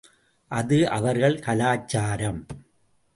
அது அவர்கள் கலாச்சாரம்.